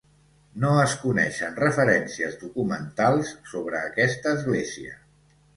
No es coneixen referències documentals sobre aquesta església.